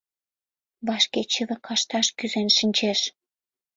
— Вашке чыве кашташ кӱзен шинчеш.